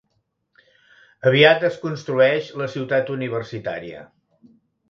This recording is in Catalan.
Aviat es construeix la Ciutat Universitària.